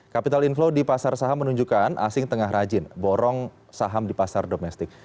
capital inflow di pasar saham menunjukkan asing tengah rajin borong saham di pasar domestik